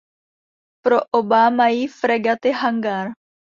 Pro oba mají fregaty hangár.